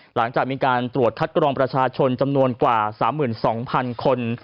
หลังจากมีการตรวจคัดกรองประชาชนจำนวนกว่า๓๒๐๐๐คน